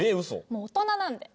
もう大人なんで。